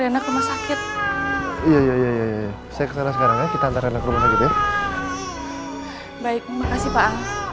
rena ke rumah sakit iya saya sekarang kita antar rena ke rumah sakit baik makasih pak